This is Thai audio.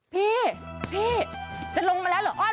พี่จนลงมาแล้วเหรอ